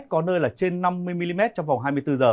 có nơi là trên năm mươi mm trong vòng hai mươi bốn h